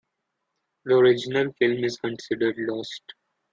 The original film is considered lost.